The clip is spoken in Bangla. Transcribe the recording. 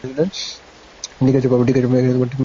ঠিক আছে বাবা!